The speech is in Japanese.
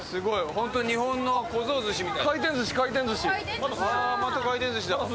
ほんと日本の小僧寿しみたい。